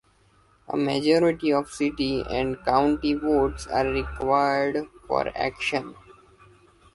A majority of city and county votes are required for action.